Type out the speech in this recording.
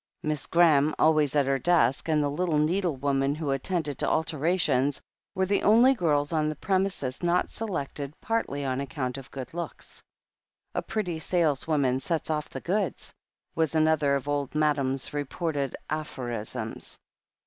Miss Graham, always at her desk, and the little needlewoman who attended to alterations, were the 127 128 THE HEEL OF ACHILLES only girls on the premises not selected, partly on ac count of good looks. "A pretty saleswoman sets oS the goods," was an other of Old Madam's reported aphorisms.